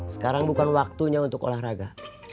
sekarang bukan waktunya untuk olahraga